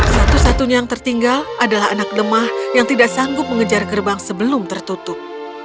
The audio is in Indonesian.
satu satunya yang tertinggal adalah anak lemah yang tidak sanggup mengejar gerbang sebelum tertutup